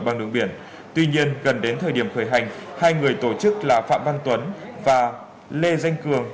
bằng đường biển tuy nhiên gần đến thời điểm khởi hành hai người tổ chức là phạm văn tuấn và lê danh cường